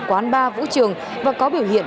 quán bar vũ trường và có biểu hiện